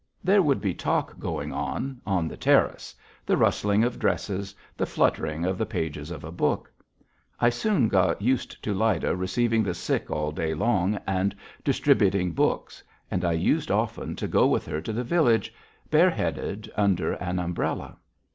There would be talk going on on the terrace, the rustling of dresses, the fluttering of the pages of a book. I soon got used to Lyda receiving the sick all day long, and distributing books, and I used often to go with her to the village, bareheaded, under an umbrella.